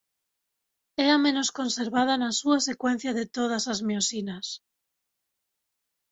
É a menos conservada na súa secuencia de todas as miosinas.